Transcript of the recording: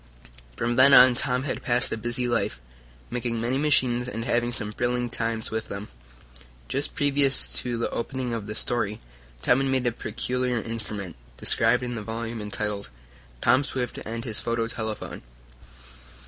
From then on Tom had passed a busy life, making many machines and having some thrilling times with them. Just previous to the opening of this story Tom had made a peculiar instrument, described in the volume entitled "Tom Swift and His Photo Telephone."